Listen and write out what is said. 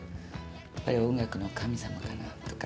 やっぱり音楽の神様かなとか。